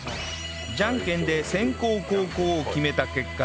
ジャンケンで先攻後攻を決めた結果